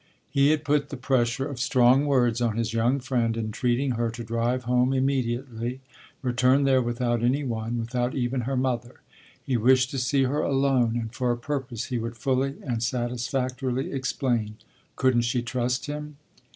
He had put the pressure of strong words on his young friend, entreating her to drive home immediately, return there without any one, without even her mother. He wished to see her alone and for a purpose he would fully and satisfactorily explain couldn't she trust him?